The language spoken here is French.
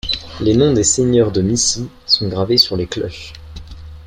Les noms des seigneurs de Missy sont gravés sur les cloches.